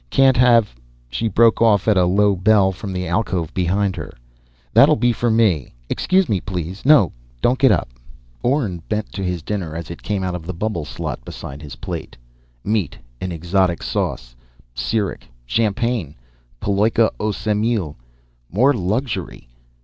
"Can't have " She broke off at a low bell from the alcove behind her. "That'll be for me. Excuse me, please ... no, don't get up." Orne bent to his dinner as it came out of the bubble slot beside his plate: meat in an exotic sauce, Sirik champagne, paloika au semil ... more luxury.